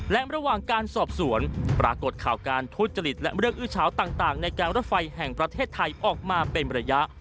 และระหว่างการสอบสวนปรากฏข่าวการทุจริตและเรื่องอื้อเฉาต่างในการรถไฟแห่งประเทศไทยออกมาเป็นระยะ